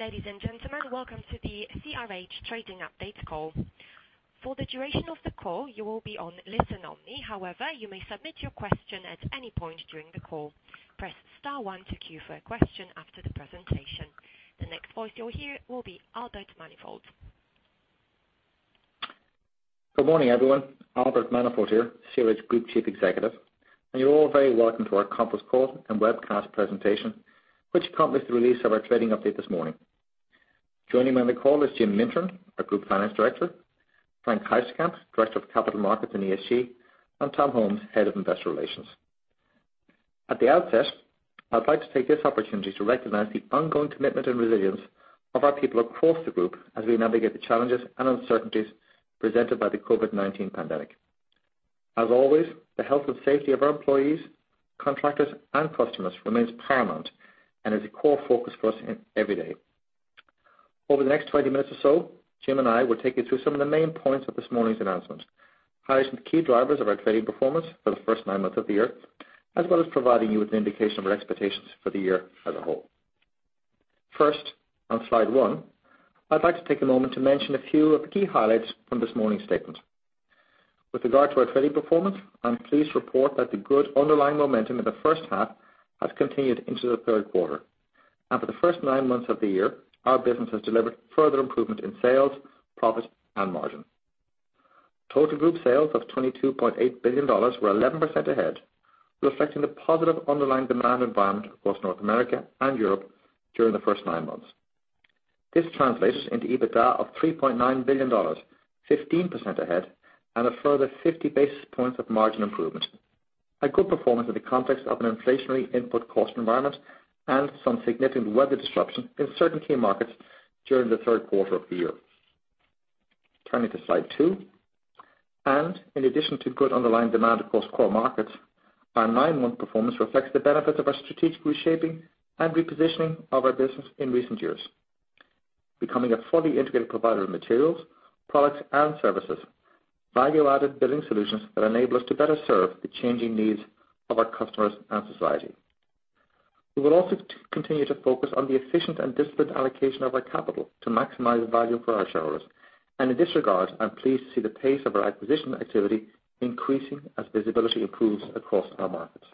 Ladies and gentlemen, welcome to the CRH Trading Update Call. For the duration of the call, you will be on listen only. However, you may submit your question at any point during the call. Press star one to queue for a question after the presentation. The next voice you will hear will be Albert Manifold. Good morning, everyone. Albert Manifold here, CRH Group Chief Executive, you are all very welcome to our conference call and webcast presentation, which accompanies the release of our trading update this morning. Joining me on the call is Jim Mintern, our Group Finance Director, Frank Heisterkamp, Director of Capital Markets & ESG, Tom Holmes, Head of Investor Relations. At the outset, I would like to take this opportunity to recognize the ongoing commitment and resilience of our people across the group as we navigate the challenges and uncertainties presented by the COVID-19 pandemic. As always, the health and safety of our employees, contractors, and customers remains paramount and is a core focus for us every day. Over the next 20 minutes or so, Jim and I will take you through some of the main points of this morning's announcement, highlighting the key drivers of our trading performance for the first nine months of the year, as well as providing you with an indication of our expectations for the year as a whole. First, on slide one, I would like to take a moment to mention a few of the key highlights from this morning's statement. With regard to our trading performance, I am pleased to report that the good underlying momentum in the first half has continued into the third quarter. For the first nine months of the year, our business has delivered further improvement in sales, profit, and margin. Total group sales of $22.8 billion were 11% ahead, reflecting the positive underlying demand environment across North America and Europe during the first nine months. This translates into EBITDA of $3.9 billion, 15% ahead, a further 50 basis points of margin improvement, a good performance in the context of an inflationary input cost environment and some significant weather disruption in certain key markets during the third quarter of the year. Turning to slide two. In addition to good underlying demand across core markets, our nine-month performance reflects the benefits of our strategic reshaping and repositioning of our business in recent years, becoming a fully integrated provider of materials, products, and services, value-added building solutions that enable us to better serve the changing needs of our customers and society. We will also continue to focus on the efficient and disciplined allocation of our capital to maximize value for our shareholders. In this regard, I am pleased to see the pace of our acquisition activity increasing as visibility improves across our markets.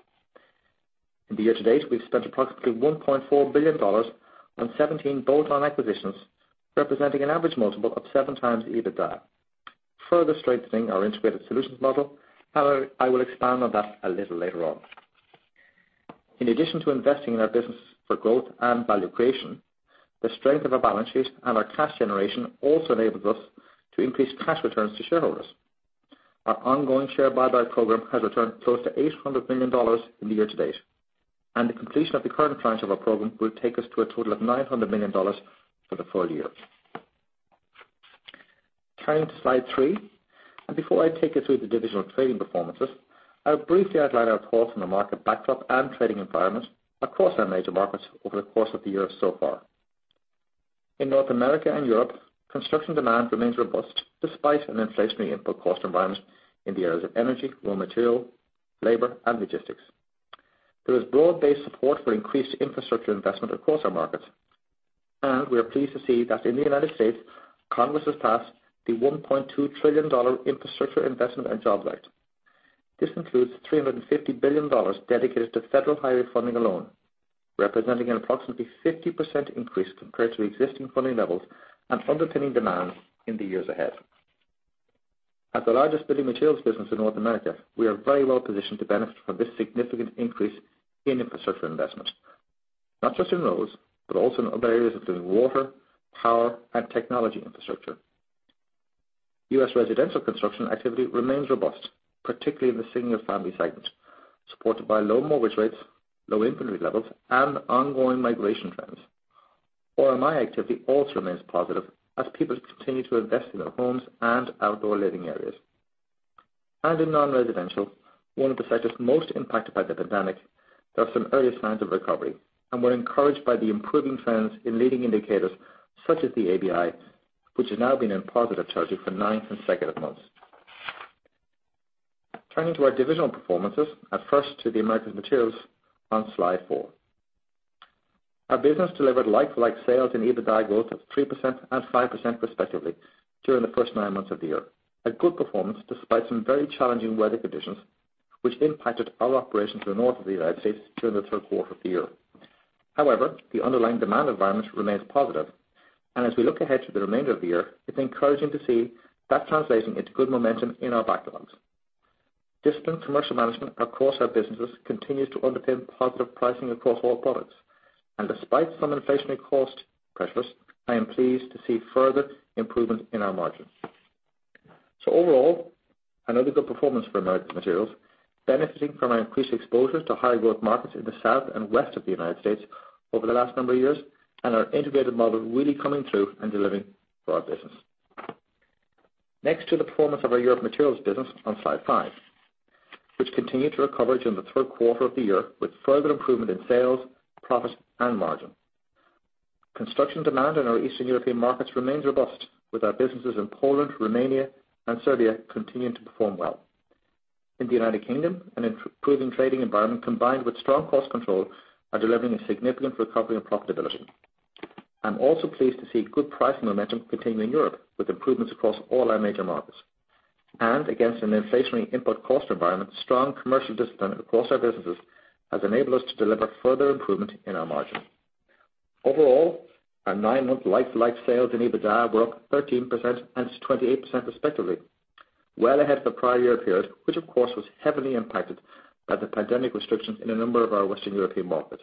In the year to date, we've spent approximately $1.4 billion on 17 bolt-on acquisitions, representing an average multiple of 7x EBITDA, further strengthening our integrated solutions model. I will expand on that a little later on. In addition to investing in our business for growth and value creation, the strength of our balance sheet and our cash generation also enables us to increase cash returns to shareholders. Our ongoing share buyback program has returned close to $800 million in the year to date, and the completion of the current tranche of our program will take us to a total of $900 million for the full year. Turning to slide three, before I take you through the divisional trading performances, I'll briefly outline our thoughts on the market backdrop and trading environment across our major markets over the course of the year so far. In North America and Europe, construction demand remains robust despite an inflationary input cost environment in the areas of energy, raw material, labor, and logistics. There is broad-based support for increased infrastructure investment across our markets, we are pleased to see that in the U.S., Congress has passed the $1.2 trillion Infrastructure Investment and Jobs Act. This includes $350 billion dedicated to federal highway funding alone, representing an approximately 50% increase compared to existing funding levels and underpinning demand in the years ahead. As the largest building materials business in North America, we are very well positioned to benefit from this significant increase in infrastructure investment, not just in roads, but also in other areas including water, power, and technology infrastructure. U.S. residential construction activity remains robust, particularly in the single-family segment, supported by low mortgage rates, low inventory levels, and ongoing migration trends. RMI activity also remains positive as people continue to invest in their homes and outdoor living areas. In non-residential, one of the sectors most impacted by the pandemic, there are some early signs of recovery, and we're encouraged by the improving trends in leading indicators such as the ABI, which has now been in positive territory for nine consecutive months. Turning to our divisional performances. First to CRH Americas Materials on slide four. Our business delivered like-for-like sales and EBITDA growth of 3% and 5% respectively during the first nine months of the year. A good performance despite some very challenging weather conditions, which impacted our operations in the North of the U.S. during the third quarter of the year. The underlying demand environment remains positive, as we look ahead to the remainder of the year, it's encouraging to see that translating into good momentum in our backlogs. Disciplined commercial management across our businesses continues to underpin positive pricing across all products, despite some inflationary cost pressures, I am pleased to see further improvement in our margins. Overall, another good performance for CRH Americas Materials, benefiting from our increased exposures to high-growth markets in the South and West of the U.S. over the last number of years and our integrated model really coming through and delivering for our business. Next to the performance of our CRH Europe Materials business on slide five, which continued to recover during the third quarter of the year with further improvement in sales, profit, and margin. Construction demand in our Eastern European markets remains robust with our businesses in Poland, Romania, and Serbia continuing to perform well. In the U.K., an improving trading environment combined with strong cost control are delivering a significant recovery and profitability. I'm also pleased to see good pricing momentum continuing in Europe, with improvements across all our major markets. Against an inflationary input cost environment, strong commercial discipline across our businesses has enabled us to deliver further improvement in our margin. Overall, our nine-month like-to-like sales and EBITDA were up 13% and 28% respectively, well ahead of the prior year period, which of course, was heavily impacted by the pandemic restrictions in a number of our Western European markets.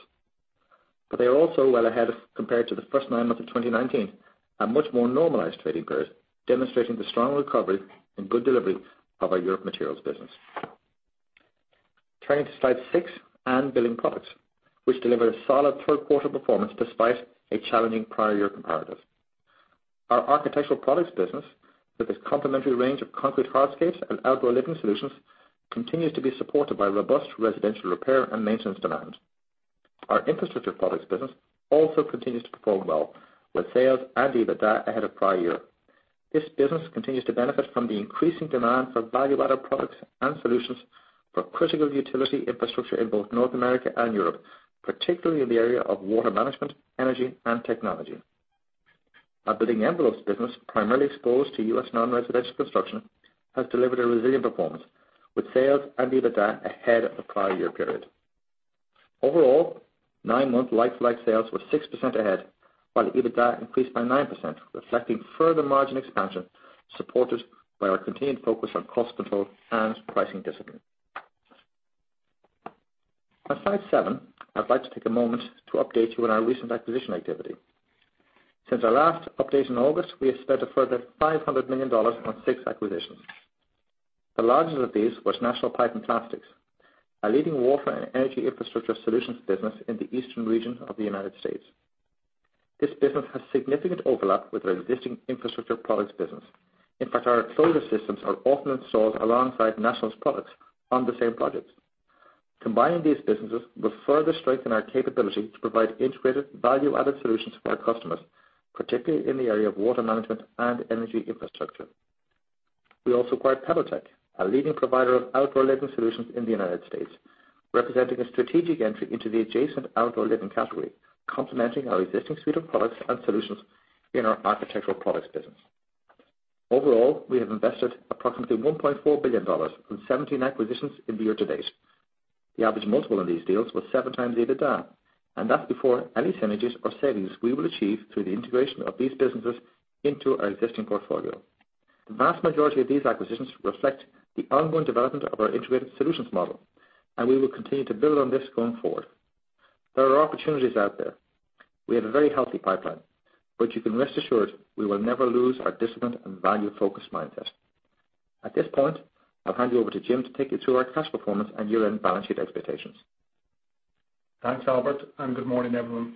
They are also well ahead compared to the first nine months of 2019, a much more normalized trading period, demonstrating the strong recovery and good delivery of our Europe Materials business. Turning to slide six and building products, which delivered a solid third quarter performance despite a challenging prior year comparative. Our architectural products business, with its complementary range of concrete hardscapes and outdoor living solutions, continues to be supported by robust residential repair and maintenance demand. Our infrastructure products business also continues to perform well with sales and EBITDA ahead of prior year. This business continues to benefit from the increasing demand for value-added products and solutions for critical utility infrastructure in both North America and Europe, particularly in the area of water management, energy, and technology. Our building envelopes business, primarily exposed to U.S. non-residential construction, has delivered a resilient performance with sales and EBITDA ahead of the prior year period. Overall, nine-month like-to-like sales were 6% ahead, while EBITDA increased by 9%, reflecting further margin expansion, supported by our continued focus on cost control and pricing discipline. On slide seven, I'd like to take a moment to update you on our recent acquisition activity. Since our last update in August, we have spent a further $500 million on six acquisitions. The largest of these was National Pipe & Plastics, a leading water and energy infrastructure solutions business in the eastern region of the United States. This business has significant overlap with our existing infrastructure products business. In fact, our closure systems are often installed alongside National's products on the same projects. Combining these businesses will further strengthen our capability to provide integrated, value-added solutions to our customers, particularly in the area of water management and energy infrastructure. We also acquired PebbleTec, a leading provider of outdoor living solutions in the United States, representing a strategic entry into the adjacent outdoor living category, complementing our existing suite of products and solutions in our architectural products business. Overall, we have invested approximately $1.4 billion on 17 acquisitions in the year to date. The average multiple of these deals was 7 times EBITDA, that's before any synergies or savings we will achieve through the integration of these businesses into our existing portfolio. The vast majority of these acquisitions reflect the ongoing development of our integrated solutions model. We will continue to build on this going forward. There are opportunities out there. We have a very healthy pipeline. You can rest assured we will never lose our discipline and value-focused mindset. At this point, I'll hand you over to Jim to take you through our cash performance and year-end balance sheet expectations. Thanks, Albert, and good morning, everyone.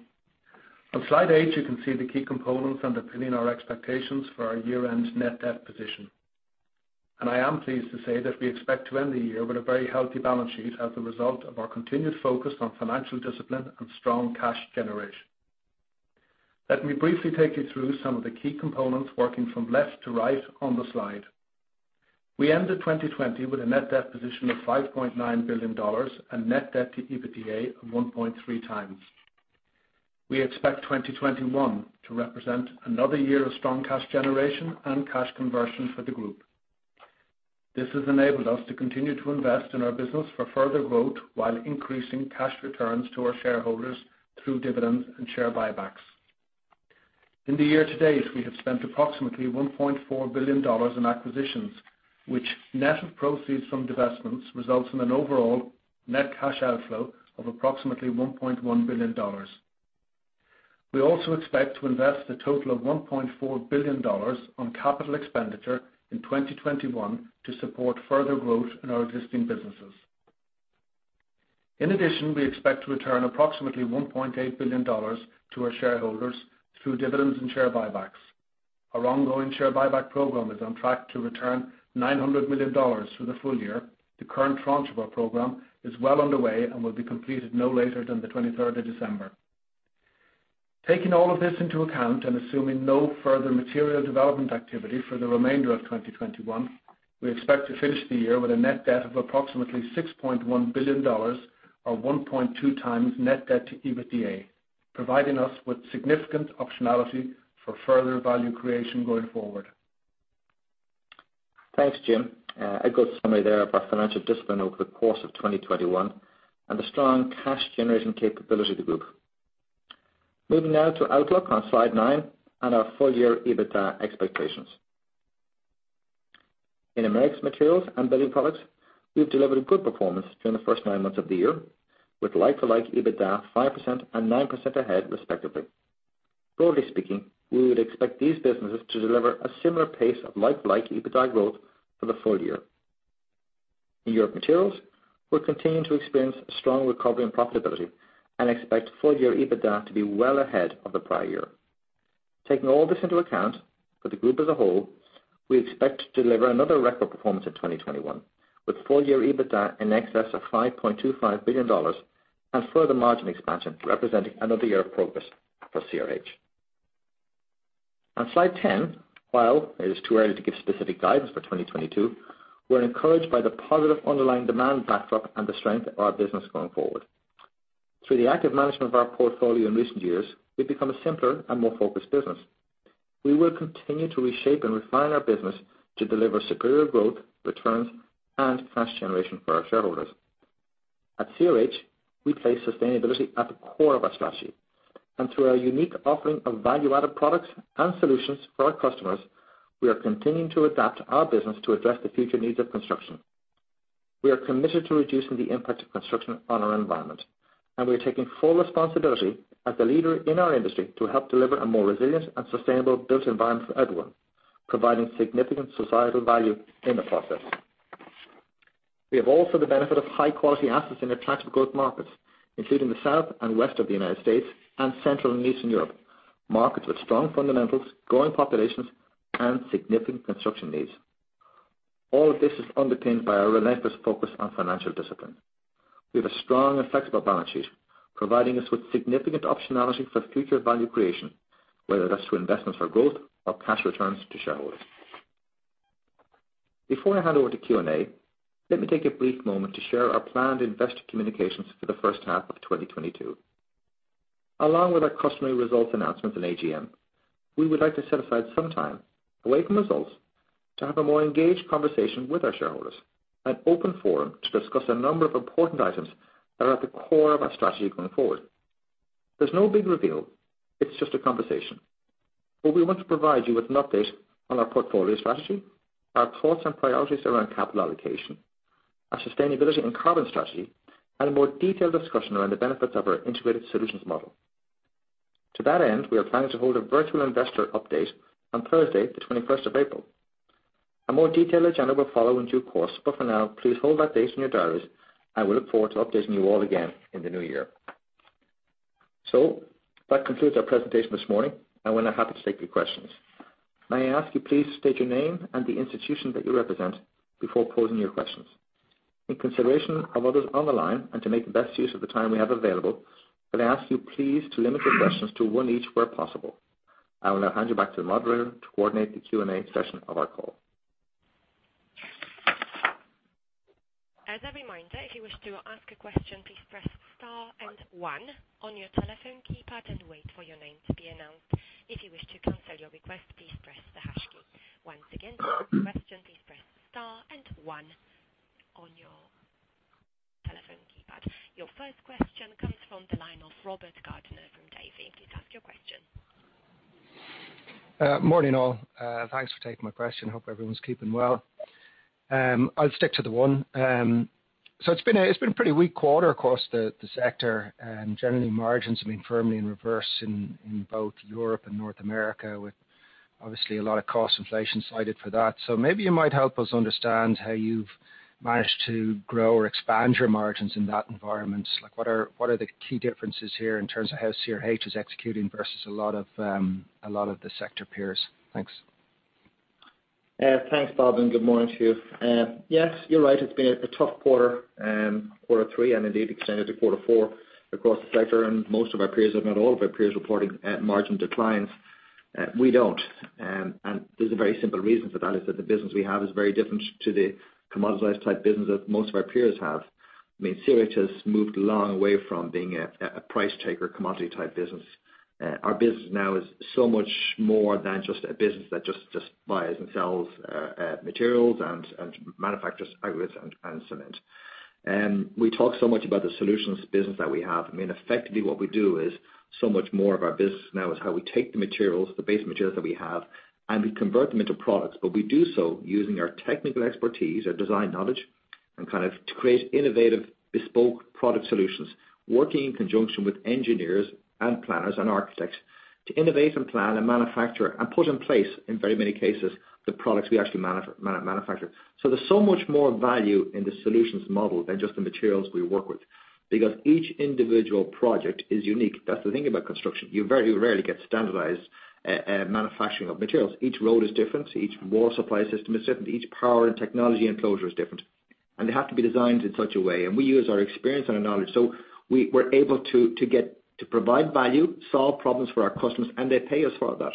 On slide eight, you can see the key components underpinning our expectations for our year-end net debt position. I am pleased to say that we expect to end the year with a very healthy balance sheet as a result of our continued focus on financial discipline and strong cash generation. Let me briefly take you through some of the key components, working from left to right on the slide. We ended 2020 with a net debt position of $5.9 billion and net debt to EBITDA of 1.3 times. We expect 2021 to represent another year of strong cash generation and cash conversion for the group. This has enabled us to continue to invest in our business for further growth while increasing cash returns to our shareholders through dividends and share buybacks. In the year to date, we have spent approximately $1.4 billion in acquisitions, which net of proceeds from divestments, results in an overall net cash outflow of approximately $1.4 billion. We also expect to invest a total of $1.4 billion on capital expenditure in 2021 to support further growth in our existing businesses. In addition, we expect to return approximately $1.8 billion to our shareholders through dividends and share buybacks. Our ongoing share buyback program is on track to return $900 million through the full year. The current tranche of our program is well underway and will be completed no later than the 23rd of December. Taking all of this into account, assuming no further material development activity for the remainder of 2021, we expect to finish the year with a net debt of approximately $6.1 billion or 1.2 times net debt to EBITDA, providing us with significant optionality for further value creation going forward. Thanks, Jim. A good summary there of our financial discipline over the course of 2021 and the strong cash generation capability of the group. Moving now to outlook on slide nine and our full year EBITDA expectations. In Americas Materials and building products, we've delivered good performance during the first nine months of the year with like-to-like EBITDA 5% and 9% ahead, respectively. Broadly speaking, we would expect these businesses to deliver a similar pace of like-to-like EBITDA growth for the full year. In Europe Materials, we're continuing to experience strong recovery and profitability and expect full year EBITDA to be well ahead of the prior year. Taking all this into account for the group as a whole, we expect to deliver another record performance in 2021 with full year EBITDA in excess of $5.25 billion and further margin expansion representing another year of progress for CRH. On slide 10, while it is too early to give specific guidance for 2022, we're encouraged by the positive underlying demand backdrop and the strength of our business going forward. Through the active management of our portfolio in recent years, we've become a simpler and more focused business. We will continue to reshape and refine our business to deliver superior growth, returns, and cash generation for our shareholders. At CRH, we place sustainability at the core of our strategy. Through our unique offering of value-added products and solutions for our customers, we are continuing to adapt our business to address the future needs of construction. We are committed to reducing the impact of construction on our environment, and we are taking full responsibility as the leader in our industry to help deliver a more resilient and sustainable built environment for everyone, providing significant societal value in the process. We have also the benefit of high-quality assets in attractive growth markets, including the South and West of the U.S. and Central and Eastern Europe, markets with strong fundamentals, growing populations, and significant construction needs. All of this is underpinned by our relentless focus on financial discipline. We have a strong and flexible balance sheet, providing us with significant optionality for future value creation, whether that's through investments for growth or cash returns to shareholders. Before I hand over to Q&A, let me take a brief moment to share our planned investor communications for the first half of 2022. Along with our customary results announcement in AGM, we would like to set aside some time away from results to have a more engaged conversation with our shareholders, an open forum to discuss a number of important items that are at the core of our strategy going forward. There's no big reveal, it's just a conversation. We want to provide you with an update on our portfolio strategy, our thoughts and priorities around capital allocation, our sustainability and carbon strategy, and a more detailed discussion around the benefits of our integrated solutions model. To that end, we are planning to hold a virtual investor update on Thursday, the 21st of April. A more detailed agenda will follow in due course, but for now, please hold that date in your diaries. We look forward to updating you all again in the new year. That concludes our presentation this morning, and we're now happy to take your questions. May I ask you, please, state your name and the institution that you represent before posing your questions. In consideration of others on the line and to make the best use of the time we have available, could I ask you, please, to limit your questions to one each where possible. I will now hand you back to the moderator to coordinate the Q&A session of our call. As a reminder, if you wish to ask a question, please press star and one on your telephone keypad and wait for your name to be announced. If you wish to cancel your request, please press the hash key. Once again, to ask a question, please press star and one on your telephone keypad. Your first question comes from the line of Robert Gardiner from Davy. Please ask your question. Morning, all. Thanks for taking my question. Hope everyone's keeping well. I'll stick to the one. It's been a pretty weak quarter across the sector, and generally margins have been firmly in reverse in both Europe and North America, with obviously a lot of cost inflation cited for that. Maybe you might help us understand how you've managed to grow or expand your margins in that environment. What are the key differences here in terms of how CRH is executing versus a lot of the sector peers? Thanks. Thanks, Bob, and good morning to you. Yes, you're right, it's been a tough quarter three, and indeed extended to quarter four across the sector, and most of our peers, if not all of our peers, reporting margin declines. We don't. There's a very simple reason for that, is that the business we have is very different to the commoditized type business that most of our peers have. CRH has moved a long way from being a price taker, commodity type business. Our business now is so much more than just a business that just buys and sells materials and manufactures aggregates and cement. We talk so much about the solutions business that we have. Effectively what we do is, so much more of our business now is how we take the materials, the base materials that we have, and we convert them into products. We do so using our technical expertise, our design knowledge, and to create innovative, bespoke product solutions, working in conjunction with engineers and planners and architects to innovate and plan and manufacture and put in place, in very many cases, the products we actually manufacture. There's so much more value in the solutions model than just the materials we work with because each individual project is unique. That's the thing about construction. You very rarely get standardized manufacturing of materials. Each road is different. Each water supply system is different. Each power and technology enclosure is different. They have to be designed in such a way, and we use our experience and our knowledge. We're able to provide value, solve problems for our customers, and they pay us for that.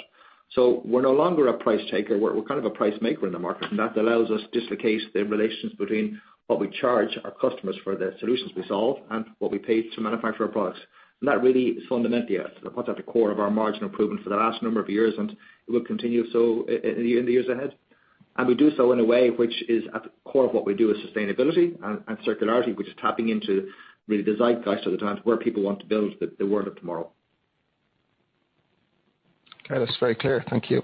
We're no longer a price taker. We're kind of a price maker in the market, that allows us, dislocates the relations between what we charge our customers for the solutions we solve and what we pay to manufacture our products. That really is fundamentally at, I put that at the core of our margin improvement for the last number of years, and it will continue so in the years ahead. We do so in a way which is at the core of what we do, is sustainability and circularity, which is tapping into really the zeitgeist of the times where people want to build the world of tomorrow. That's very clear. Thank you.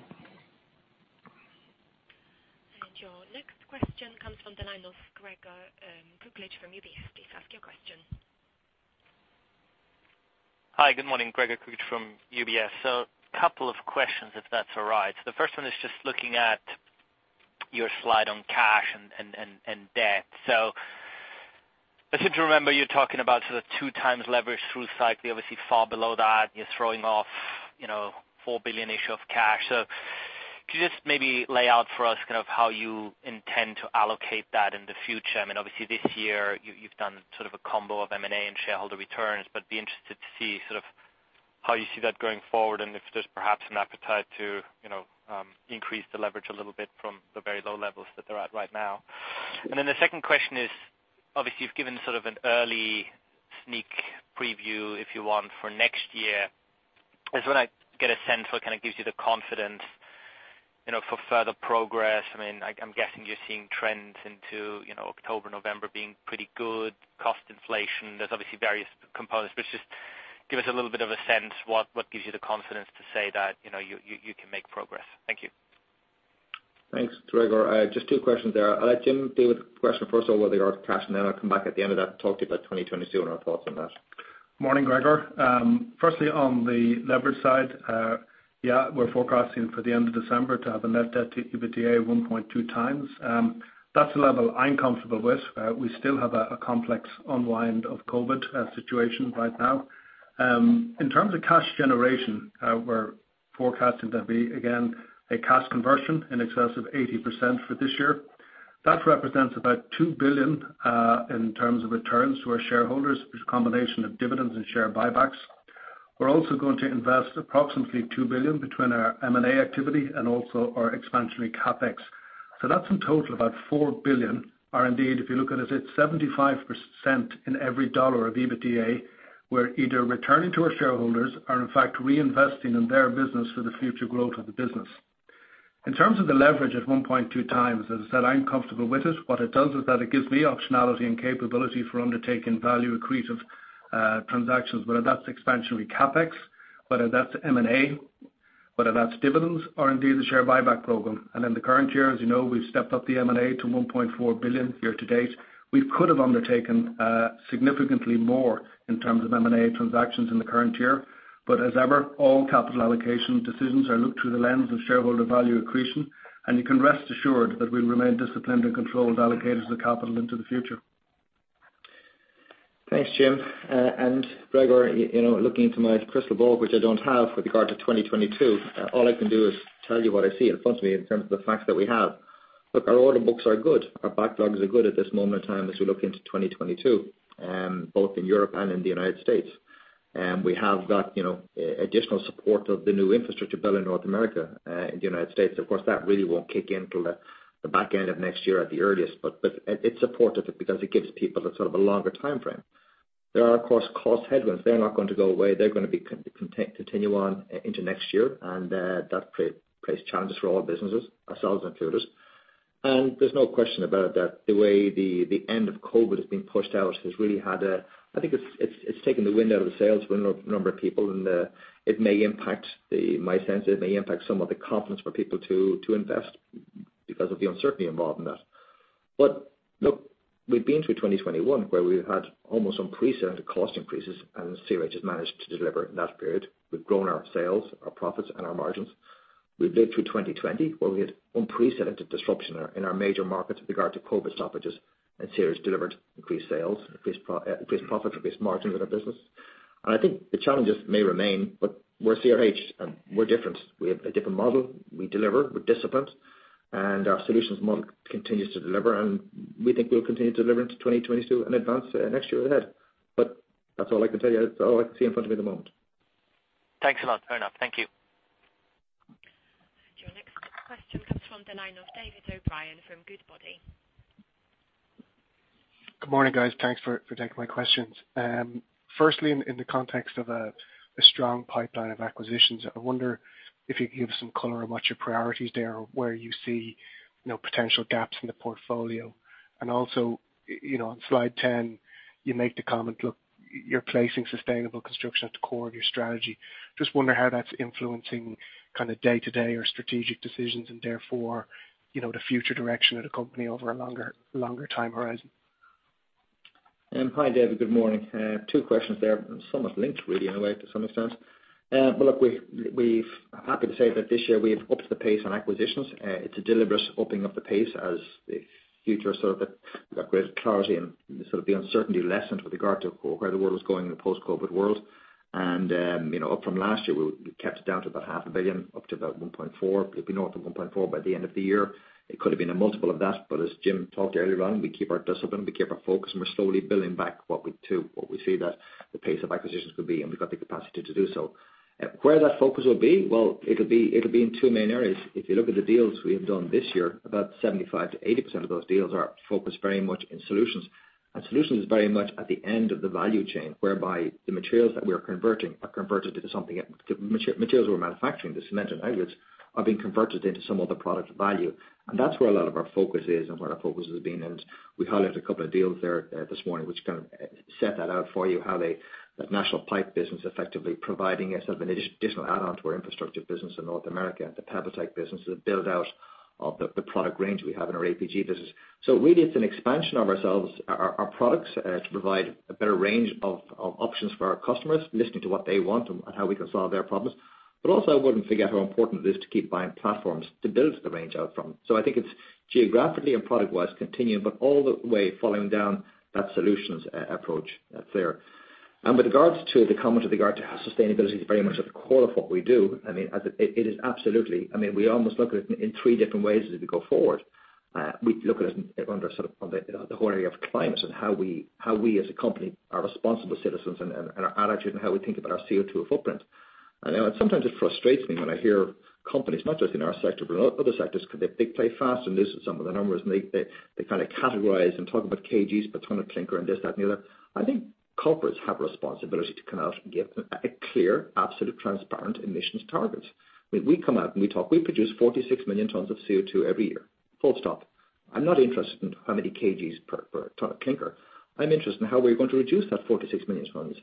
Your next question comes from the line of Gregor Kuglitsch from UBS. Please ask your question. Hi, good morning. Gregor Kuglitsch from UBS. Couple of questions, if that's all right. The first one is just looking at your slide on cash and debt. I seem to remember you talking about sort of 2 times leverage through cycle. You're obviously far below that. You're throwing off 4 billion-ish of cash. Could you just maybe lay out for us how you intend to allocate that in the future? Obviously this year you've done sort of a combo of M&A and shareholder returns, but be interested to see how you see that going forward, and if there's perhaps an appetite to increase the leverage a little bit from the very low levels that they're at right now. Then the second question is, obviously you've given sort of an early sneak preview, if you want, for next year. I just want to get a sense for what kind of gives you the confidence for further progress. I'm guessing you're seeing trends into October, November being pretty good. Cost inflation. There's obviously various components, but just give us a little bit of a sense what gives you the confidence to say that you can make progress. Thank you. Thanks, Gregor. Just two questions there. I'll let Jim deal with the question first of all with regard to cash, then I'll come back at the end of that to talk to you about 2022 and our thoughts on that. Morning, Gregor. Firstly, on the leverage side, we're forecasting for the end of December to have a net debt to EBITDA 1.2 times. That's the level I'm comfortable with. We still have a complex unwind of COVID situation right now. In terms of cash generation, we're forecasting there'll be, again, a cash conversion in excess of 80% for this year. That represents about 2 billion in terms of returns to our shareholders, which is a combination of dividends and share buybacks. We're also going to invest approximately 2 billion between our M&A activity and also our expansionary CapEx. That's in total about 4 billion, or indeed if you look at it's 75% in every dollar of EBITDA, we're either returning to our shareholders or in fact reinvesting in their business for the future growth of the business. In terms of the leverage at 1.2 times, as I said, I'm comfortable with it. It gives me optionality and capability for undertaking value-accretive transactions, whether that's expansionary CapEx, whether that's M&A, whether that's dividends or indeed the share buyback program. In the current year, as you know, we've stepped up the M&A to 1.4 billion year to date. We could have undertaken significantly more in terms of M&A transactions in the current year. As ever, all capital allocation decisions are looked through the lens of shareholder value accretion, and you can rest assured that we'll remain disciplined and controlled allocators of capital into the future. Thanks, Jim. Gregor, looking into my crystal ball, which I don't have with regard to 2022, all I can do is tell you what I see in front of me in terms of the facts that we have. Look, our order books are good. Our backlogs are good at this moment in time as we look into 2022, both in Europe and in the United States. We have got additional support of the new infrastructure build in North America, in the United States. Of course, that really won't kick in till the back end of next year at the earliest, but it's supportive because it gives people sort of a longer timeframe. There are of course cost headwinds. They're not going to go away. They're going to continue on into next year, and that creates challenges for all businesses, ourselves included. There's no question about it that the way the end of COVID has been pushed out has really had. I think it's taken the wind out of the sails for a number of people, and it may impact the. My sense is it may impact some of the confidence for people to invest because of the uncertainty involved in that. Look, we've been through 2021, where we've had almost unprecedented cost increases, and CRH has managed to deliver in that period. We've grown our sales, our profits and our margins. We lived through 2020, where we had unprecedented disruption in our major markets with regard to COVID stoppages, and CRH delivered increased sales, increased profit, increased margins in our business. I think the challenges may remain, but we're CRH and we're different. We have a different model. We deliver. We're disciplined and our solutions model continues to deliver. We think we'll continue to deliver into 2022 in advance next year ahead. That's all I can tell you. That's all I can see in front of me at the moment. Thanks a lot, Albert Manifold. Thank you. Your next question comes from the line of David O'Brien from Goodbody. Good morning, guys. Thanks for taking my questions. Firstly, in the context of a strong pipeline of acquisitions, I wonder if you could give some color on what your priorities there, or where you see potential gaps in the portfolio. Also, on slide 10 you make the comment, look, you're placing sustainable construction at the core of your strategy. Just wonder how that's influencing kind of day-to-day or strategic decisions and therefore the future direction of the company over a longer time horizon. Hi, David. Good morning. Two questions there, somewhat linked really in a way to some extent. Look, I'm happy to say that this year we've upped the pace on acquisitions. It's a deliberate upping of the pace as the future has sort of got greater clarity and sort of the uncertainty lessened with regard to where the world is going in a post-COVID-19 world. Up from last year, we kept it down to about half a billion, up to about 1.4 billion. It'll be north of 1.4 billion by the end of the year. It could have been a multiple of that, but as Jim Mintern talked earlier on, we keep our discipline, we keep our focus, we're slowly building back what we see that the pace of acquisitions could be, we've got the capacity to do so. Where that focus will be, it'll be in two main areas. If you look at the deals we have done this year, about 75%-80% of those deals are focused very much in solutions. Solutions is very much at the end of the value chain, whereby the materials that we are converting are converted into something. The materials we're manufacturing, the cement and aggregates, are being converted into some other product of value. That's where a lot of our focus is and where our focus has been. We highlighted a couple of deals there this morning, which kind of set that out for you, how that National Pipe business effectively providing us an additional add-on to our infrastructure business in North America and the Pavatex business is a build-out of the product range we have in our APG business. Really it's an expansion of ourselves, our products, to provide a better range of options for our customers, listening to what they want and how we can solve their problems. Also, I wouldn't forget how important it is to keep buying platforms to build the range out from. I think it's geographically and product-wise continuing, but all the way following down that solutions approach there. With regards to the comment with regard to how sustainability is very much at the core of what we do, it is absolutely. We almost look at it in three different ways as we go forward. We look at it under the whole area of climate and how we, as a company, are responsible citizens and our attitude and how we think about our CO2 footprint. Sometimes it frustrates me when I hear companies, not just in our sector but in other sectors, because they play fast and loose with some of the numbers, and they kind of categorize and talk about kgs per ton of clinker and this, that, and the other. I think corporates have a responsibility to come out and give a clear, absolute, transparent emissions target. We come out and we talk, we produce 46 million tons of CO2 every year. Full stop. I'm not interested in how many kgs per ton of clinker. I'm interested in how we're going to reduce that 46 million tons.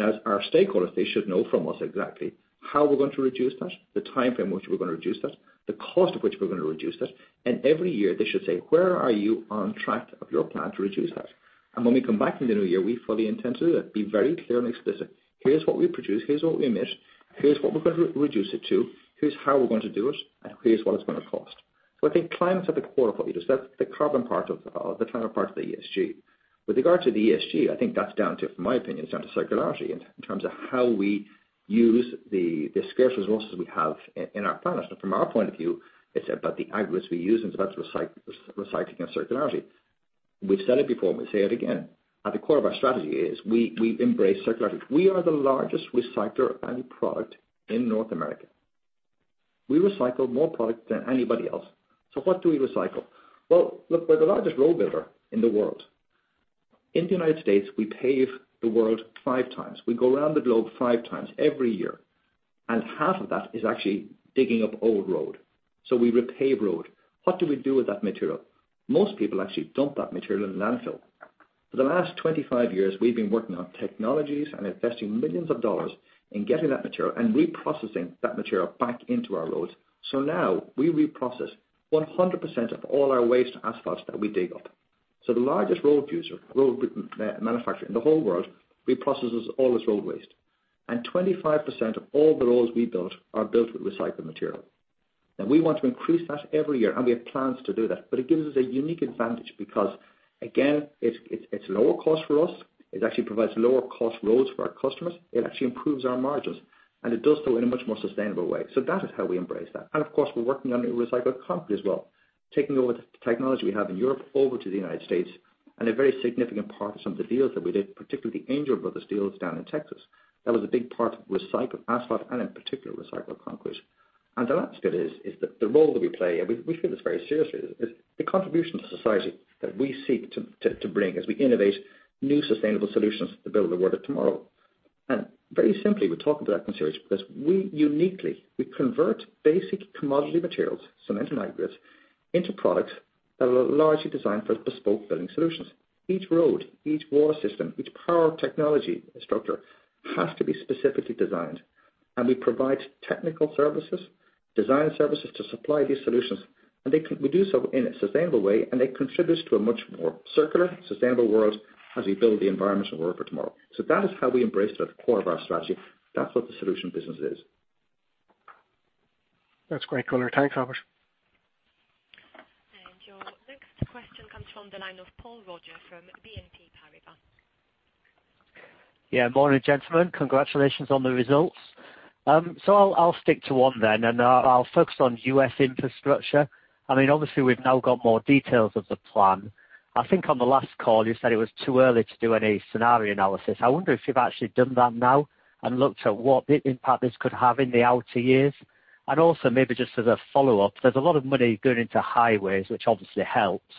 As our stakeholders, they should know from us exactly how we're going to reduce that, the timeframe which we're going to reduce that, the cost of which we're going to reduce that, and every year, they should say, "Where are you on track of your plan to reduce that?" When we come back in the new year, we fully intend to do that, be very clear and explicit. Here's what we produce, here's what we emit, here's what we're going to reduce it to, here's how we're going to do it, and here's what it's going to cost. I think climate's at the core of what we do. That's the carbon part of the entire part of the ESG. With regard to the ESG, I think that's down to, from my opinion, it's down to circularity in terms of how we use the scarce resources we have in our planet. From our point of view, it's about the aggregates we use, that's recycling and circularity. We've said it before, and we'll say it again. At the core of our strategy is we embrace circularity. We are the largest recycler of any product in North America. We recycle more product than anybody else. What do we recycle? Well, look, we're the largest road builder in the world. In the United States, we pave the world five times. We go around the globe five times every year. Half of that is actually digging up old road. We repave road. What do we do with that material? Most people actually dump that material in landfill. For the last 25 years, we've been working on technologies and investing EUR millions in getting that material and reprocessing that material back into our roads. Now we reprocess 100% of all our waste asphalt that we dig up. The largest road manufacturer in the whole world reprocesses all its road waste. 25% of all the roads we built are built with recycled material. Now, we want to increase that every year, and we have plans to do that. It gives us a unique advantage because, again, it's lower cost for us. It actually provides lower cost roads for our customers. It actually improves our margins. It does so in a much more sustainable way. That is how we embrace that. Of course, we're working on a recycled concrete as well, taking all the technology we have in Europe over to the United States, a very significant part of some of the deals that we did, particularly the Angel Brothers deals down in Texas. That was a big part of recycled asphalt and in particular, recycled concrete. The last bit is the role that we play, and we take this very seriously, is the contribution to society that we seek to bring as we innovate new sustainable solutions to build the world of tomorrow. Very simply, we talk about that in a series because we uniquely convert basic commodity materials, cement, and aggregates into products that are largely designed for bespoke building solutions. Each road, each water system, each power technology structure has to be specifically designed. We provide technical services, design services to supply these solutions. We do so in a sustainable way, and it contributes to a much more circular, sustainable world as we build the environment to work for tomorrow. That is how we embrace it at the core of our strategy. That's what the solution business is. That's great color. Thanks, Albert. Your next question comes from the line of Paul Roger from BNP Paribas. Morning, gentlemen. Congratulations on the results. I'll stick to one then, I'll focus on U.S. infrastructure. Obviously, we've now got more details of the plan. I think on the last call, you said it was too early to do any scenario analysis. I wonder if you've actually done that now and looked at what impact this could have in the outer years. Also, maybe just as a follow-up, there's a lot of money going into highways, which obviously helps.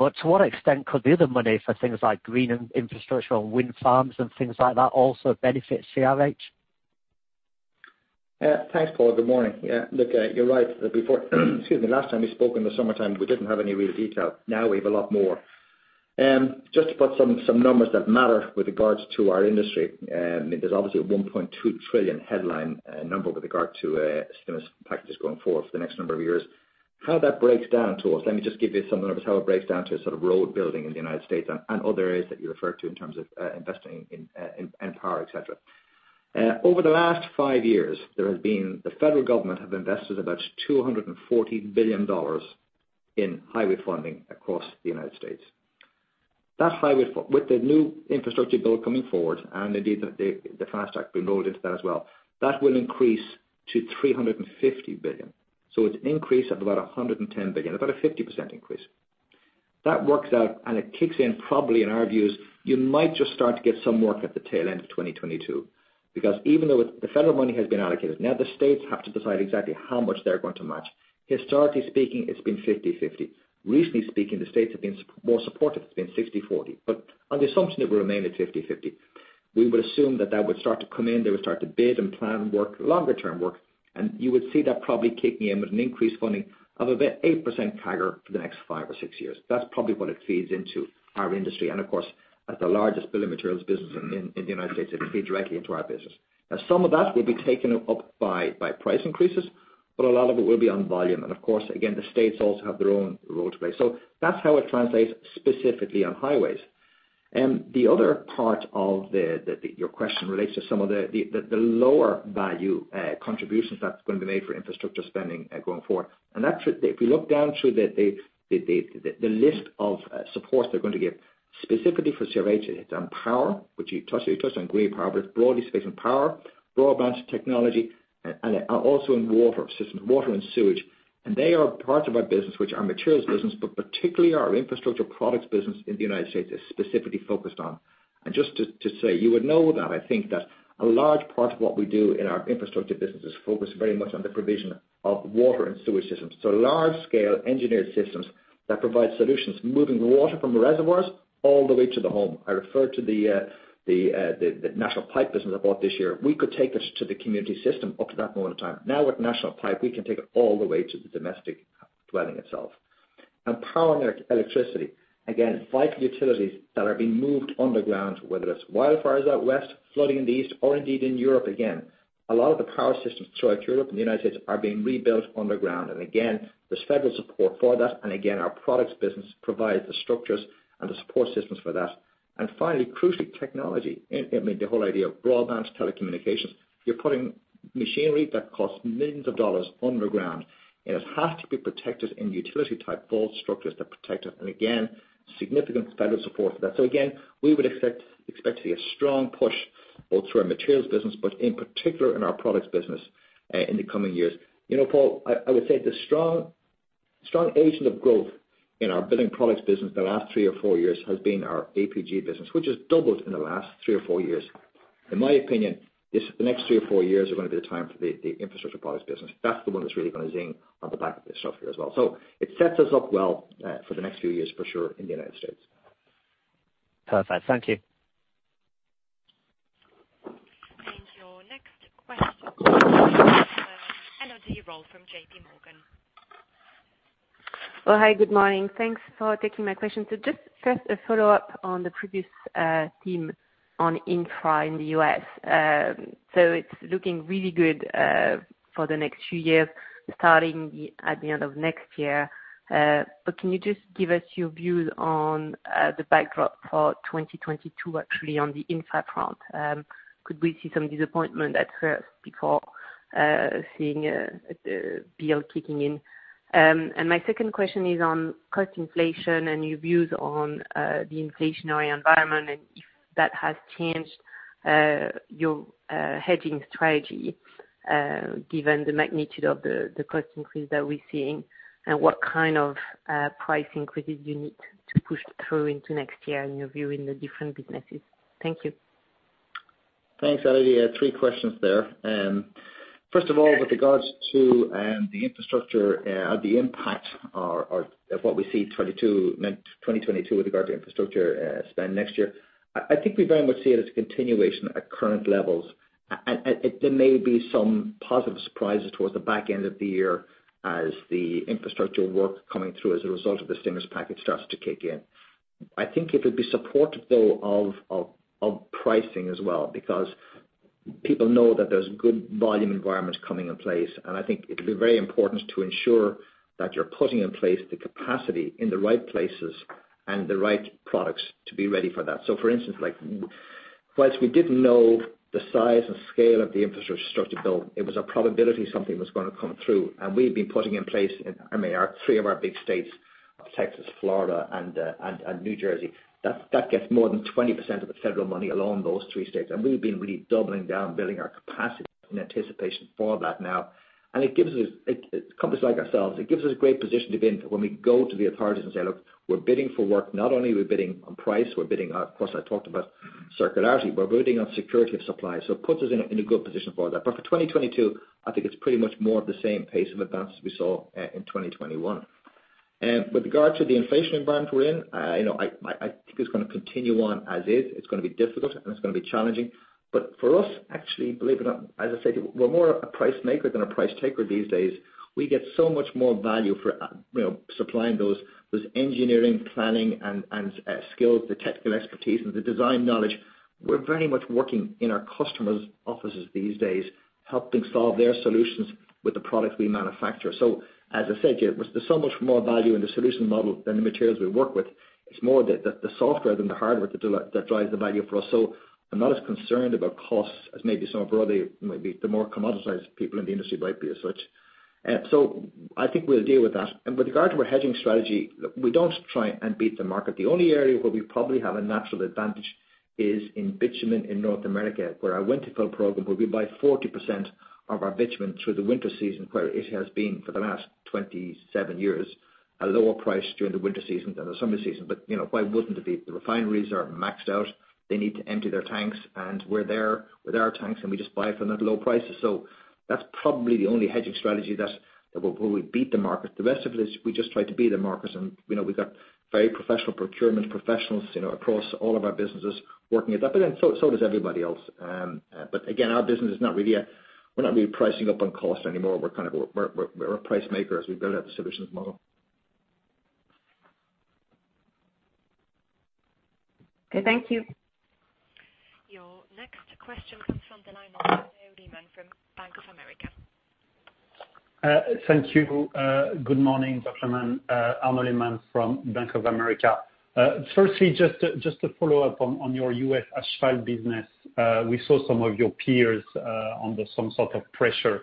To what extent could the other money for things like green infrastructure and wind farms and things like that also benefit CRH? Thanks, Paul. Good morning. Look, you're right. Excuse me, last time we spoke in the summertime, we didn't have any real detail. Now we have a lot more. Just to put some numbers that matter with regards to our industry, there's obviously a $1.2 trillion headline number with regard to stimulus packages going forward for the next number of years. How that breaks down to us, let me just give you some numbers, how it breaks down to road building in the U.S. and other areas that you referred to in terms of investing in power, et cetera. Over the last five years, the federal government have invested about $240 billion in highway funding across the U.S. With the new infrastructure bill coming forward, indeed, the FAST Act being rolled into that as well, that will increase to $350 billion. It's an increase of about $110 billion, about a 50% increase. That works out, and it kicks in probably, in our views, you might just start to get some work at the tail end of 2022. Because even though the federal money has been allocated, now the states have to decide exactly how much they're going to match. Historically speaking, it's been 50/50. Recently speaking, the states have been more supportive. It's been 60/40. But on the assumption it will remain at 50/50, we would assume that that would start to come in. They would start to bid and plan work, longer-term work, and you would see that probably kicking in with an increased funding of about 8% CAGR for the next five or six years. That's probably what it feeds into our industry. Of course, as the largest building materials business in the United States, it will feed directly into our business. Now, some of that will be taken up by price increases, but a lot of it will be on volume. Of course, again, the states also have their own role to play. That's how it translates specifically on highways. The other part of your question relates to some of the lower value contributions that's going to be made for infrastructure spending going forward. If we look down through the list of supports they're going to give specifically for CRH, it's on power, which you touched on, gray power, but it's broadly speaking, power, broadband technology, and also in water systems, water and sewage. They are parts of our business, which are materials business, but particularly our infrastructure products business in the United States is specifically focused on. Just to say, you would know that I think that a large part of what we do in our infrastructure business is focus very much on the provision of water and sewage systems. Large scale engineered systems that provide solutions, moving the water from the reservoirs all the way to the home. I referred to the National Pipe business I bought this year. We could take it to the community system up to that point in time. Now with National Pipe, we can take it all the way to the domestic dwelling itself. Power and electricity, again, vital utilities that are being moved underground, whether it's wildfires out west, flooding in the east, or indeed in Europe again. A lot of the power systems throughout Europe and the United States are being rebuilt underground. Again, there's federal support for that. Again, our products business provides the structures and the support systems for that. Finally, crucially, technology. I mean, the whole idea of broadband telecommunications. You're putting machinery that costs millions of dollars underground, and it has to be protected in utility-type vault structures that protect it. Again, significant federal support for that. Again, we would expect to see a strong push both through our materials business, but in particular in our products business, in the coming years. Paul, I would say the strong agent of growth in our building products business the last three or four years has been our APG business, which has doubled in the last three or four years. In my opinion, the next three or four years are going to be the time for the infrastructure products business. That's the one that's really going to zing on the back of this stuff here as well. It sets us up well for the next few years, for sure, in the U.S. Perfect. Thank you. Your next question comes from Elodie Rall from J.P. Morgan. Well, hi. Good morning. Thanks for taking my question. Just first, a follow-up on the previous theme on infra in the U.S. It's looking really good for the next few years, starting at the end of next year. Can you just give us your views on the backdrop for 2022, actually on the infra front? Could we see some disappointment at first before seeing bill kicking in? My second question is on cost inflation and your views on the inflationary environment, and if that has changed your hedging strategy, given the magnitude of the cost increase that we're seeing, and what kind of price increases you need to push through into next year in your view in the different businesses. Thank you. Thanks, Elodie. Three questions there. First of all, with regards to the infrastructure, the impact of what we see 2022 with regard to infrastructure spend next year, I think we very much see it as a continuation at current levels. There may be some positive surprises towards the back end of the year as the infrastructure work coming through as a result of the stimulus package starts to kick in. I think it would be supportive, though, of pricing as well, because people know that there's good volume environments coming in place, and I think it'll be very important to ensure that you're putting in place the capacity in the right places and the right products to be ready for that. For instance, whilst we didn't know the size and scale of the infrastructure to build, it was a probability something was going to come through. We've been putting in place in, I mean, our three of our big states of Texas, Florida, and New Jersey. That gets more than 20% of the federal money along those three states. We've been really doubling down building our capacity in anticipation for that now. It gives companies like ourselves, a great position to be in for when we go to the authorities and say, "Look, we're bidding for work. Not only are we bidding on price, we're bidding," of course, I talked about circularity, "We're bidding on security of supply." It puts us in a good position for that. For 2022, I think it's pretty much more of the same pace of advance we saw in 2021. With regard to the inflation environment we're in, I think it's going to continue on as is. It's going to be difficult and it's going to be challenging. For us, actually, believe it or not, as I said, we're more a price maker than a price taker these days. We get so much more value for supplying those engineering, planning, and skills, the technical expertise and the design knowledge. We're very much working in our customers' offices these days, helping solve their solutions with the products we manufacture. As I said, there's so much more value in the solution model than the materials we work with. It's more the software than the hardware that drives the value for us. I'm not as concerned about costs as maybe some of the more commoditized people in the industry might be as such. I think we'll deal with that. With regard to our hedging strategy, look, we don't try and beat the market. The only area where we probably have a natural advantage is in bitumen in North America, where our winter fuel program, where we buy 40% of our bitumen through the winter season, where it has been for the last 27 years, at a lower price during the winter season than the summer season. Why wouldn't it be? The refineries are maxed out. They need to empty their tanks, and we're there with our tanks, and we just buy from the low prices. That's probably the only hedging strategy that where we beat the market. The rest of it is we just try to be the markets, and we've got very professional procurement professionals across all of our businesses working at that. Then, so does everybody else. Again, our business is not really. We're not really pricing up on cost anymore. We're a price maker as we build out the solutions model. Okay, thank you. Your next question comes from the line of Arnaud Lehmann from Thank you. Good morning, gentlemen. Arnaud Lehmann from Bank of America. Firstly, just to follow up on your U.S. asphalt business. We saw some of your peers under some sort of pressure,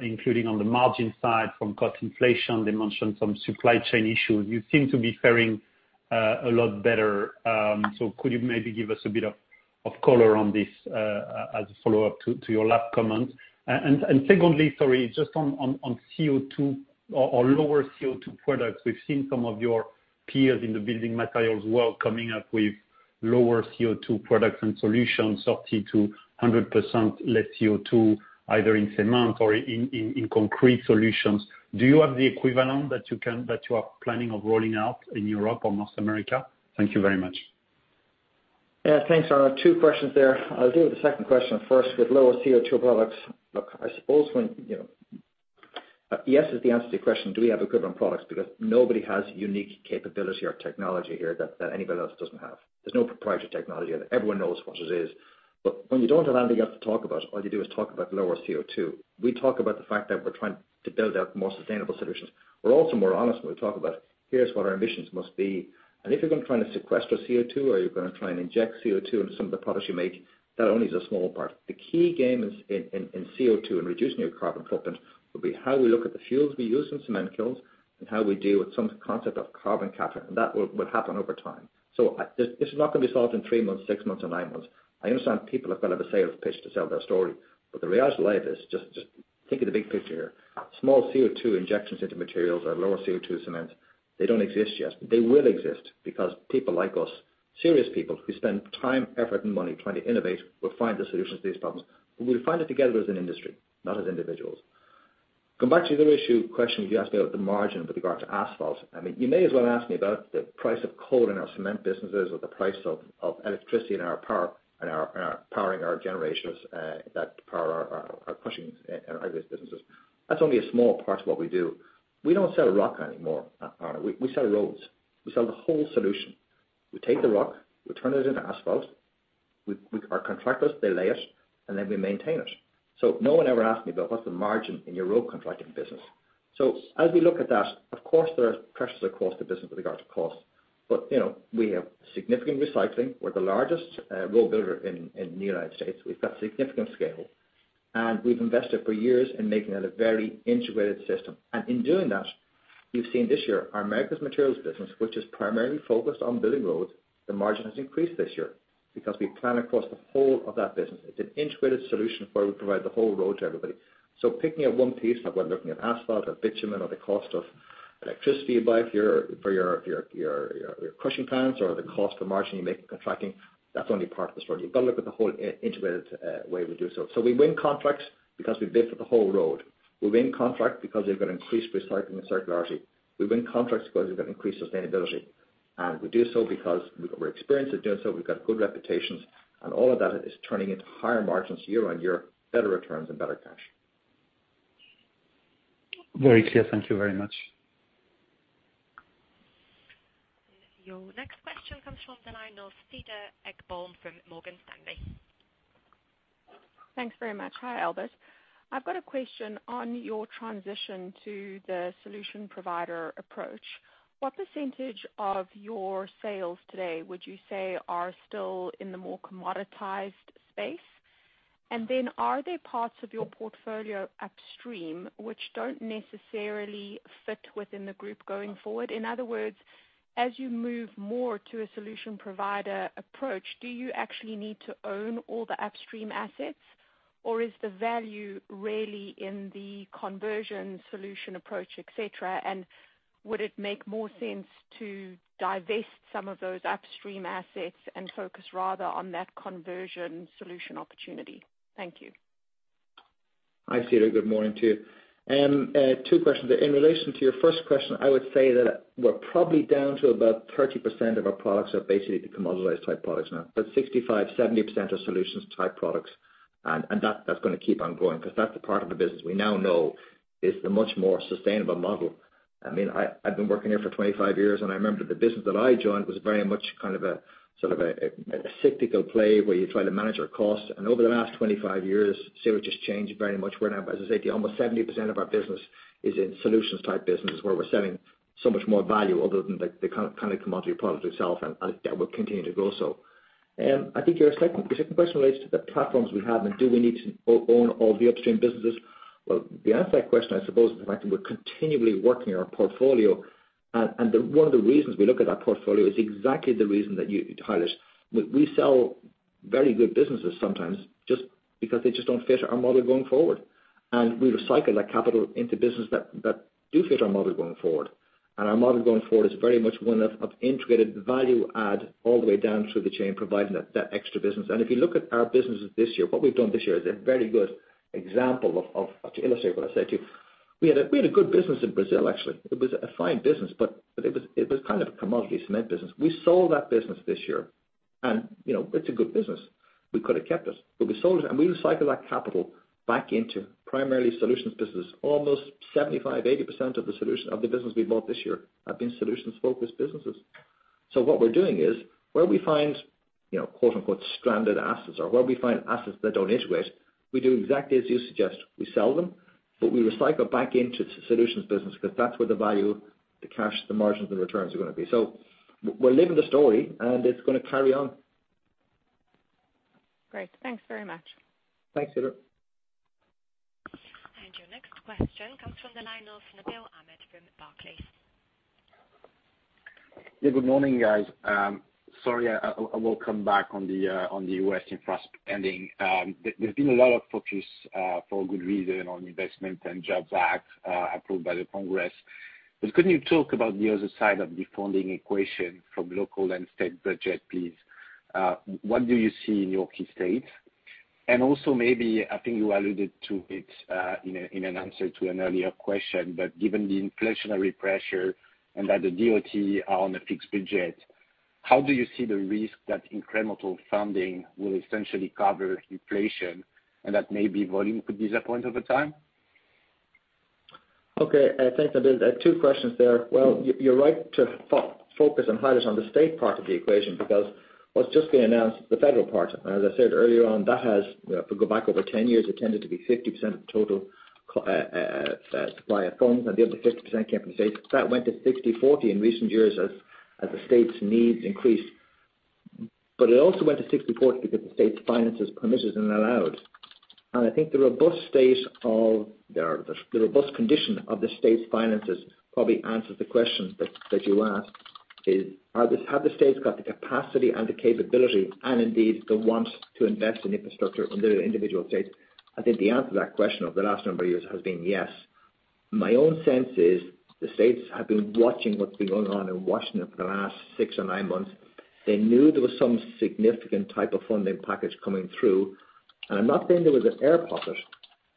including on the margin side from cost inflation. They mentioned some supply chain issues. You seem to be faring a lot better. Could you maybe give us a bit of color on this as a follow-up to your last comment? Secondly, sorry, just on lower CO2 products, we've seen some of your peers in the building materials world coming up with lower CO2 products and solutions up to 100% less CO2, either in cement or in concrete solutions. Do you have the equivalent that you are planning on rolling out in Europe or North America? Thank you very much. Yeah. Thanks, Arnaud. Two questions there. I'll deal with the second question first with lower CO2 products. Look, I suppose Yes is the answer to your question, do we have equivalent products? Because nobody has unique capability or technology here that anybody else doesn't have. There's no proprietary technology yet. Everyone knows what it is. When you don't have anything else to talk about, all you do is talk about lower CO2. We talk about the fact that we're trying to build out more sustainable solutions. We're also more honest when we talk about, here's what our emissions must be, and if you're going to try and sequester CO2, or you're going to try and inject CO2 into some of the products you make, that only is a small part. The key game in CO2 and reducing your carbon footprint will be how we look at the fuels we use in cement kilns and how we deal with some concept of carbon capture, and that will happen over time. This is not going to be solved in three months, six months or nine months. I understand people have got to have a sales pitch to sell their story, the reality of life is, just thinking of the big picture here. Small CO2 injections into materials or lower CO2 cements, they don't exist yet. They will exist because people like us, serious people who spend time, effort and money trying to innovate, will find the solutions to these problems. We'll find it together as an industry, not as individuals. Going back to the other question you asked me about the margin with regard to asphalt. You may as well ask me about the price of coal in our cement businesses, or the price of electricity and our power in our generations that power our crushing and aggregates businesses. That's only a small part of what we do. We don't sell rock anymore, Arnaud. We sell roads. We sell the whole solution. We take the rock, we turn it into asphalt. Our contractors, they lay it, and then we maintain it. No one ever asked me about what's the margin in your road contracting business. As we look at that, of course, there are pressures across the business with regard to cost. We have significant recycling. We're the largest road builder in the U.S. We've got significant scale, and we've invested for years in making it a very integrated system. In doing that, we've seen this year our Americas Materials business, which is primarily focused on building roads, the margin has increased this year because we plan across the whole of that business. It's an integrated solution where we provide the whole road to everybody. Picking at one piece, like whether looking at asphalt or bitumen or the cost of electricity you buy for your crushing plants or the cost per margin you make in contracting, that's only part of the story. You've got to look at the whole integrated way we do so. We win contracts because we bid for the whole road. We win contracts because we've got increased recycling and circularity. We win contracts because we've got increased sustainability. We do so because we're experienced at doing so. We've got good reputations, and all of that is turning into higher margins year-on-year, better returns and better cash. Very clear. Thank you very much. Your next question comes from the line of Cedar Ekblom from Morgan Stanley. Thanks very much. Hi, Albert. I've got a question on your transition to the solution provider approach. What % of your sales today would you say are still in the more commoditized space? Then are there parts of your portfolio upstream which don't necessarily fit within the group going forward? In other words, as you move more to a solution provider approach, do you actually need to own all the upstream assets? Is the value really in the conversion solution approach, et cetera? Would it make more sense to divest some of those upstream assets and focus rather on that conversion solution opportunity? Thank you. Hi, Cedar. Good morning to you. Two questions. In relation to your first question, I would say that we're probably down to about 30% of our products are basically the commoditized type products now. 65%-70% are solutions type products, and that's going to keep on going because that's the part of the business we now know is the much more sustainable model. I've been working here for 25 years, and I remember the business that I joined was very much kind of a cyclical play where you try to manage your costs. Over the last 25 years, Cedar, just changed very much. We're now, as I say to you, almost 70% of our business is in solutions type businesses, where we're selling so much more value other than the kind of commodity product itself, and that will continue to go so. I think your second question relates to the platforms we have and do we need to own all the upstream businesses. The answer to that question, I suppose, is the fact that we're continually working our portfolio, and one of the reasons we look at our portfolio is exactly the reason that you highlight. We sell very good businesses sometimes just because they just don't fit our model going forward. We recycle that capital into business that do fit our model going forward. Our model going forward is very much one of integrated value add all the way down through the chain, providing that extra business. If you look at our businesses this year, what we've done this year is a very good example to illustrate what I said to you. We had a good business in Brazil, actually. It was a fine business, but it was kind of a commodity cement business. We sold that business this year and it's a good business. We could have kept it, but we sold it and we recycled that capital back into primarily solutions business. Almost 75%-80% of the business we bought this year have been solutions-focused businesses. What we're doing is where we find, quote unquote, stranded assets or where we find assets that don't integrate, we do exactly as you suggest. We sell them, but we recycle back into the solutions business because that's where the value, the cash, the margins, and the returns are going to be. We're living the story, and it's going to carry on. Great. Thanks very much. Thanks, Cedar. Your next question comes from the line of Nabil Ahmed from Barclays. Good morning, guys. Sorry, I will come back on the U.S. infra spending. There has been a lot of focus, for a good reason, on Infrastructure Investment and Jobs Act approved by the Congress. Could you talk about the other side of the funding equation from local and state budget, please? What do you see in your key states? Also maybe, I think you alluded to it in an answer to an earlier question, but given the inflationary pressure and that the DOT are on a fixed budget, how do you see the risk that incremental funding will essentially cover inflation and that maybe volume could disappoint over time? Okay. I think that there is two questions there. Well, you are right to focus and highlight on the state part of the equation because what has just been announced, the federal part, as I said earlier on, that has, if we go back over 10 years, it tended to be 50% of the total supply of funds and the other 50% came from the states. That went to 60/40 in recent years as the states' needs increased. It also went to 60/40 because the state's finances permitted and allowed. I think the robust condition of the state's finances probably answers the question that you asked is, have the states got the capacity and the capability, and indeed the want to invest in infrastructure under the individual states? I think the answer to that question over the last number of years has been yes. My own sense is the states have been watching what's been going on in Washington for the last six or nine months. They knew there was some significant type of funding package coming through. I'm not saying there was an air pocket,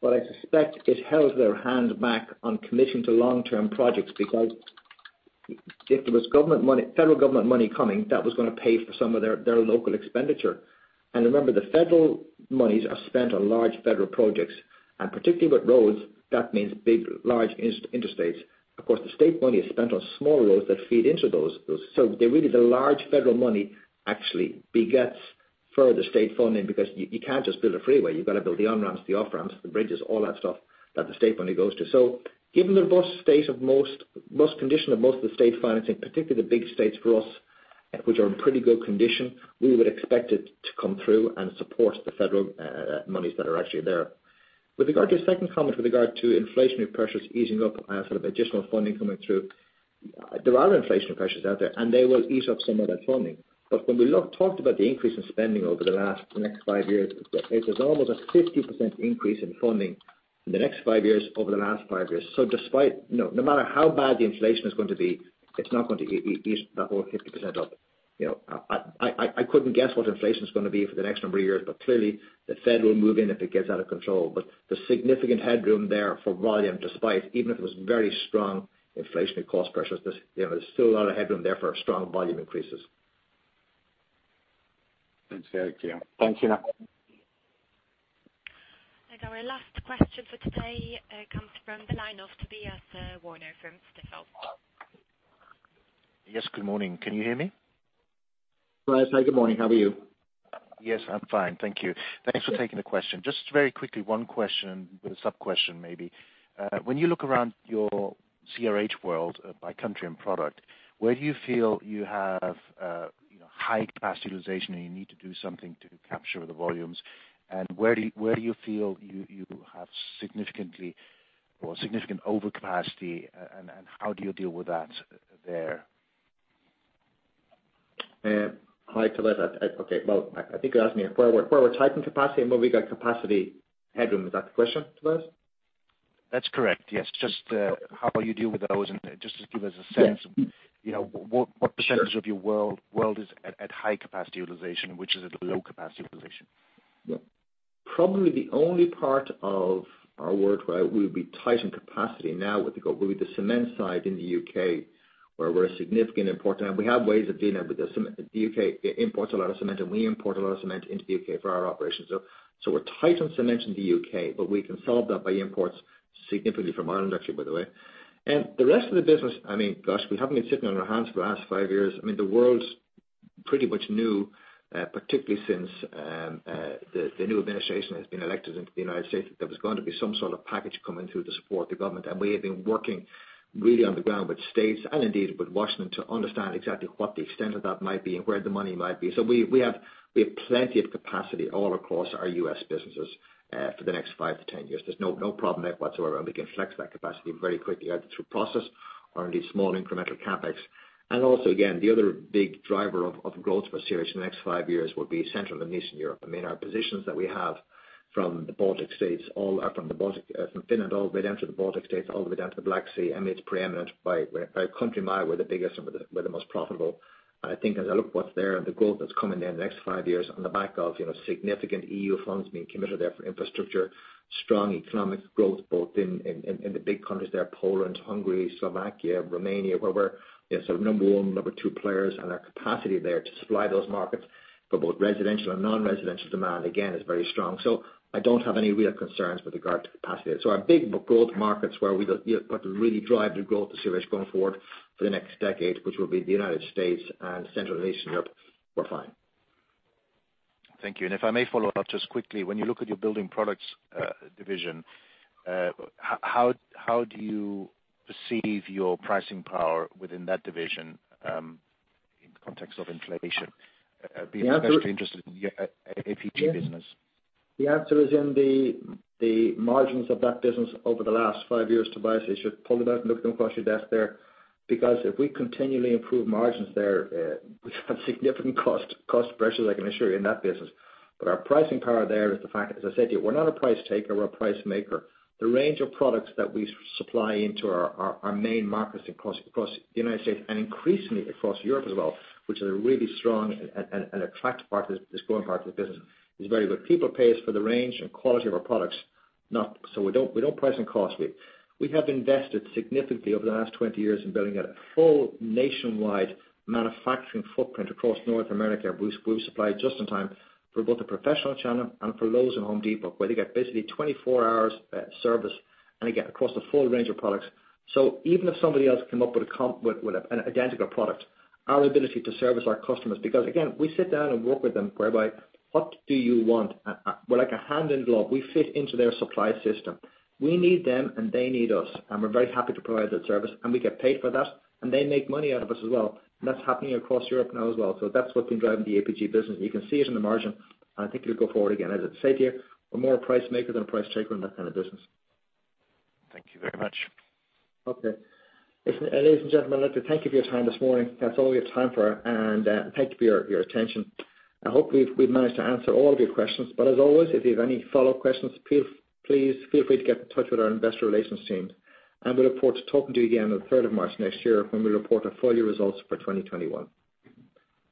I suspect it held their hand back on committing to long-term projects because if there was federal government money coming, that was going to pay for some of their local expenditure. Remember, the federal monies are spent on large federal projects, and particularly with roads, that means big, large interstates. Of course, the state money is spent on small roads that feed into those. Really the large federal money actually begets further state funding because you can't just build a freeway. You've got to build the on-ramps, the off-ramps, the bridges, all that stuff that the state money goes to. Given the robust condition of most of the state financing, particularly the big states for us, which are in pretty good condition, we would expect it to come through and support the federal monies that are actually there. With regard to your second comment with regard to inflationary pressures easing up as additional funding coming through, there are inflation pressures out there, and they will ease up some of that funding. When we talked about the increase in spending over the next five years, it was almost a 50% increase in funding in the next five years over the last five years. No matter how bad the inflation is going to be, it's not going to ease that whole 50% up. I couldn't guess what inflation is going to be for the next number of years, clearly the Fed will move in if it gets out of control. There's significant headroom there for volume, despite even if it was very strong inflationary cost pressures. There's still a lot of headroom there for strong volume increases. That's very clear. Thanks, Albert. Our last question for today comes from the line of Tobias Woerner from Stifel. Good morning. Can you hear me? Tobias, hi. Good morning. How are you? I'm fine. Thank you. Thanks for taking the question. Just very quickly, one question with a sub-question maybe. When you look around your CRH world by country and product, where do you feel you have high capacity utilization, and you need to do something to capture the volumes? Where do you feel you have significant overcapacity, and how do you deal with that there? Hi, Tobias. Okay. Well, I think you're asking me where we're tight in capacity and where we got capacity headroom. Is that the question, Tobias? That's correct, yes. Just how you deal with those and just to give us a sense. Yeah What % of your world is at high capacity utilization, and which is at low capacity utilization? Probably the only part of our world where we'll be tight in capacity now would be the cement side in the U.K., where we're a significant importer. Now we have ways of dealing with the cement. The U.K. imports a lot of cement, we import a lot of cement into the U.K. for our operations. We're tight on cement in the U.K., we can solve that by imports significantly from Ireland, actually, by the way. The rest of the business, gosh, we haven't been sitting on our hands for the last five years. The world's pretty much new, particularly since the new administration has been elected into the United States, that there was going to be some sort of package coming through to support the government. We have been working really on the ground with states and indeed with Washington to understand exactly what the extent of that might be and where the money might be. We have plenty of capacity all across our U.S. businesses for the next 5 to 10 years. There's no problem there whatsoever, and we can flex that capacity very quickly either through process or indeed small incremental CapEx. Also, again, the other big driver of growth for CRH in the next 5 years will be Central and Eastern Europe. Our positions that we have from Finland all the way down to the Baltic States, all the way down to the Black Sea, it's preeminent by country mile we're the biggest and we're the most profitable. I think as I look what's there and the growth that's coming there in the next 5 years on the back of significant EU funds being committed there for infrastructure, strong economic growth both in the big countries there, Poland, Hungary, Slovakia, Romania, where we're sort of number 1, number 2 players, and our capacity there to supply those markets for both residential and non-residential demand, again, is very strong. I don't have any real concerns with regard to capacity there. Our big growth markets where we've got to really drive the growth of CRH going forward for the next decade, which will be the United States and Central and Eastern Europe, we're fine. Thank you. If I may follow up just quickly, when you look at your building products division, how do you perceive your pricing power within that division, in the context of inflation? I'd be especially interested in your APG business. The answer is in the margins of that business over the last 5 years, Tobias. You should pull them out and look at them across your desk there. If we continually improve margins there, we've had significant cost pressures, I can assure you, in that business. Our pricing power there is the fact, as I said to you, we're not a price taker, we're a price maker. The range of products that we supply into our main markets across the United States and increasingly across Europe as well, which is a really strong and attractive part, this growing part of the business, is very good. People pay us for the range and quality of our products, so we don't price on cost. We have invested significantly over the last 20 years in building out a full nationwide manufacturing footprint across North America. We supply just in time for both the professional channel and for Lowe's and Home Depot, where they get basically 24 hours service, and again, across the full range of products. Even if somebody else came up with an identical product, our ability to service our customers, because again, we sit down and work with them, whereby, "What do you want?" We're like a hand in glove. We fit into their supply system. We need them, and they need us, and we're very happy to provide that service, and we get paid for that, and they make money out of us as well. That's happening across Europe now as well. That's what's been driving the APG business, and you can see it in the margin, and I think it'll go forward again. As I said to you, we're more a price maker than a price taker in that kind of business. Thank you very much. Okay. Listen, ladies and gentlemen, let me thank you for your time this morning. That's all we have time for, and thank you for your attention. I hope we've managed to answer all of your questions, but as always, if you have any follow-up questions, please feel free to get in touch with our investor relations teams. We look forward to talking to you again on the third of March next year when we report our full year results for 2021.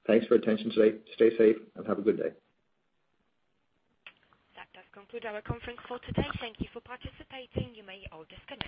Thanks for your attention today. Stay safe and have a good day. That does conclude our conference for today. Thank you for participating. You may all disconnect.